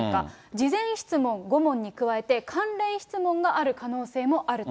事前質問５問に加えて、関連質問がある可能性もあると。